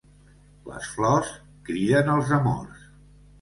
Les flors criden els amors.